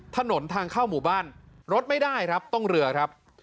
ถนนทางเข้ามุบันรถไม่ได้ต้องเรือครับ